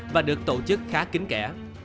và được tổ chức khá kính kẽ